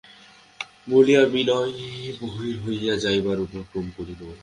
বলিয়া বিনয় বাহির হইয়া যাইবার উপক্রম করিল।